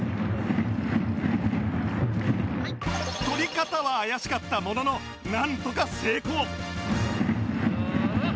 取り方は怪しかったもののなんとか成功